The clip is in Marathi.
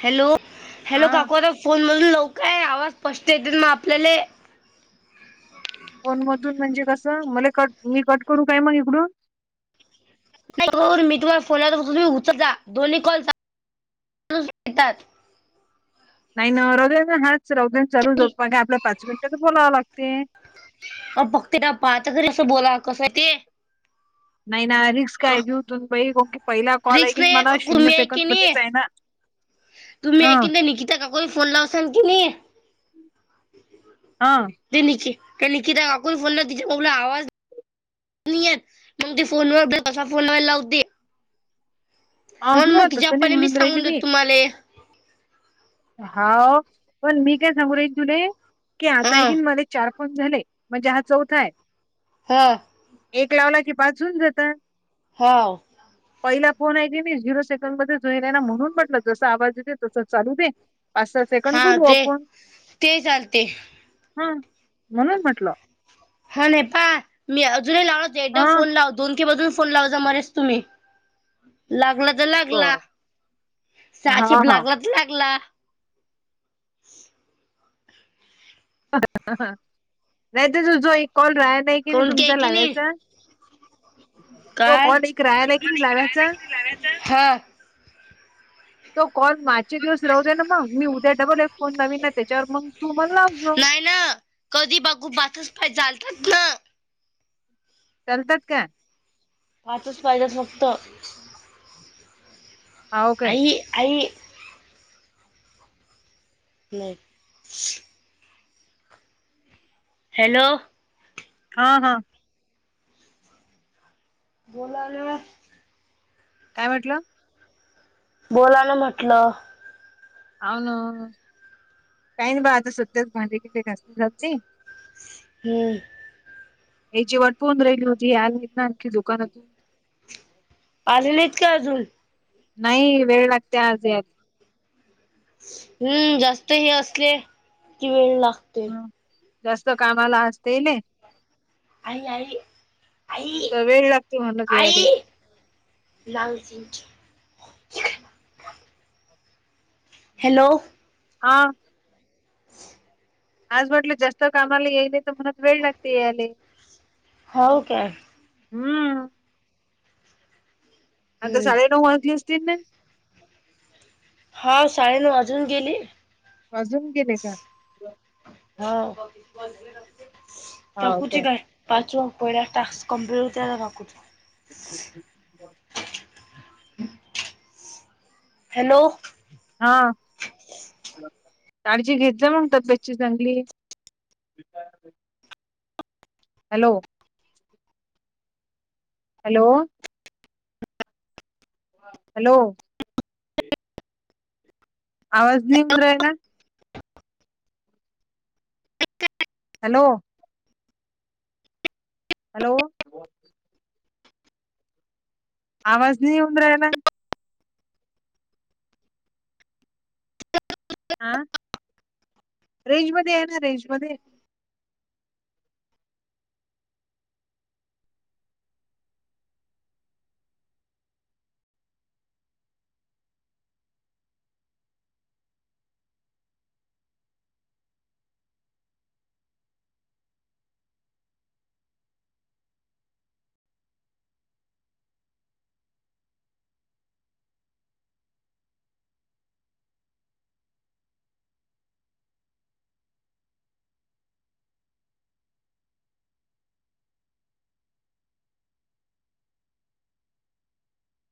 हॅलो, हॅलो हा काकु आता फोनमधून लवक आहे आवाज स्पष्ट येते मग आपल्याले. फोन मधून म्हणजे कसं मला ही कट मी कट करू काय मग इकडून? नाही कर मी तुम्हाला फोन लावला तर तुम्ही उचल जा. दोन्ही कॉल [unintelligible] नाही न रोद्यान हाच रौद्यान च आपल्याला पाच मिनिटात बोलावं लागते. अ बघतीना पाहता घरी असं बोला कसं आहे ते? नाही ना रिस्क आहे. क- घेऊ तुनबाई [unintelligible] पहिला कॉल आहे रिक्स की नाही मला काकू शून्य तुम्ही आहे की सेकंडमध्येच आहे ना. [inaudible] तुम्ही हा हाय की नाय निकिता काकूंना फोन लावसान की नई. हा दिली की त्या लेकिदा [unintelligible] फोनला आवाज नाही येत मग ते फोनवर [unintelligible] फोन व लावते. म्हणून अ मग तीज्या तसं नाही पले मी म्हणून राहिली सांगून देते तुम्हाले. हाव, पण मी काय सांगू राहिली तुले, की आता एक आहे हा की नाही मला चार फोन झाले म्हणजे हा चौथा आहे. हा. एक लावला की पाच होऊन जाता. हाव. पहिला फोन आहे की मी झिरो सेकंडमध्ये हुईला आहे ना म्हणून म्हटलं जस आवाज येते तसं चालू दे. पाच सहा सेकंड हा बोलू ते आपण. ते चालते हा म्हणून म्हटलं. हा नाही पा मी अजूनही लाव एकदा हां फोन लाव दोन की अजून फोन लाव जा मलेच तूम्ही. लागल लागला. बरं. हां, साचिप हां. लागला तर लागला. नाही तर तुझो एक कॉल राह्या नाही की नाही कोण काय तुमचा की नाही लावायचा. तो काय कॉल एक रायाला किनई लाव्याच? हा तो कॉल मागचे दिवस राहू दे ना मग, मी उद्या डबल एक फोन नवीन आहे त्याच्यावर मग तू मला लाव जो. नाही ना कधी बाघू बातच पाय जालतात ना. चालतात का? पाचच पाहिजेत फक्त. हाव काय? आई आई. नाही. हॅलो. हा हा. बोलालोय. काय म्हटला? बोला ना म्हटलं. हो ना काही ना बा आता सुटतेच भांडी किती घासतेती. हम्म. या जेवट फोन राहिली होती यालीत ना आणखी दुकानात आले नाहीत काय अजून? नाही वेळ लागते आज याय हम्म जास्त हे असले, कि वेळ लागते. जास्त कामाला असते ने. आई आई आई तर वेळ लागते म्हणलं ते यायले. आई. लाऊज चिंच. हॅलो. हा. [inaudible] आज म्हटलं जास्त कामाला येई नाही तर म्हणत वेळ लागते यायले. हो काय? हम्म. आता हम्म साडे नऊ वाजली असतील ने. हा साडेनऊ वाजून गेली. वाजून गेले का? हो. [unintelligible] काय पाचव पहिला टास्क कम्प्लीट होतंय आता वाकूच. [inaudible] हॅलो. हा. काळजी घेत जा मग तब्येतची चांगली. हॅलो. हॅलो. हॅलो. आवाज नाही येऊन राहिला? हॅलो. हॅलो. आवाज नाही येऊन राहिला? आ? रेंजमध्ये या ना रेंजमध्ये.